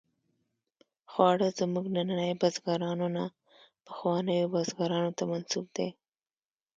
خواړه زموږ ننني بزګرانو نه، پخوانیو بزګرانو ته منسوب دي.